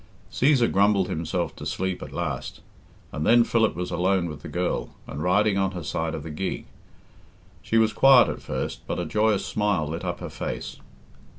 Cæsar grumbled himself to sleep at last, and then Philip was alone with the girl, and riding on her side of the gig. She was quiet at first, but a joyous smile lit up her face.